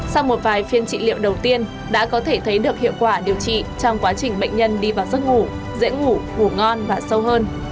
sau một vài phiên trị liệu đầu tiên đã có thể thấy được hiệu quả điều trị trong quá trình bệnh nhân đi vào giấc ngủ dễ ngủ ngủ ngon và sâu hơn